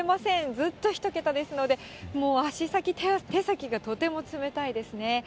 ずっと１桁ですので、もう足先、手先がとても冷たいですね。